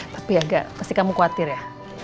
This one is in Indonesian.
tapi agak pasti kamu khawatir ya